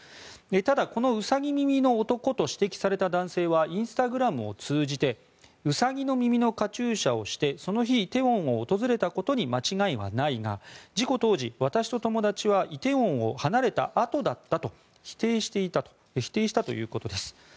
ただ、このウサギ耳の男と指摘された男はインスタグラムを通じてウサギの耳のカチューシャをしてその日、梨泰院を訪れたことに間違いはないが事故当時、私と友達は梨泰院を離れたあとだったと否定したということです。